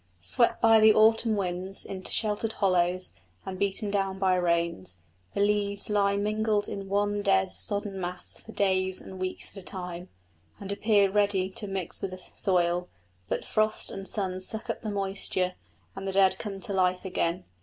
Swept by the autumn winds into sheltered hollows and beaten down by rains, the leaves lie mingled in one dead, sodden mass for days and weeks at a time, and appear ready to mix with the soil; but frost and sun suck up the moisture and the dead come to life again.